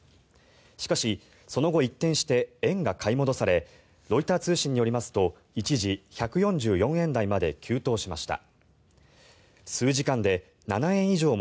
しかし、その後一転して円が買い戻されロイター通信によりますと一時、１４４円台まで急騰しました。